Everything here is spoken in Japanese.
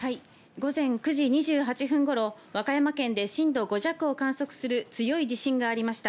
午前９時２８分頃、和歌山県で震度５弱を観測する強い地震がありました。